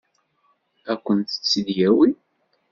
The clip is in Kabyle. Ad kent-tt-id-yawi?